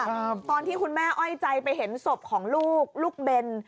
ตอนที่คุณแม่อ้อยใจไปเห็นศพของลูกลูกเบน